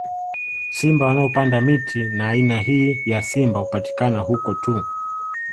Simba wanaopanda miti na aina hii ya simba hupatikana huko tu